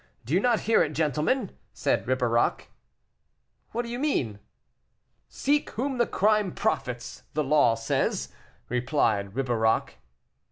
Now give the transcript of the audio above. do you not hear it, gentlemen?" said Ribeirac. "What do you mean?" "'Seek whom the crime profits,' the law says," replied Ribeirac.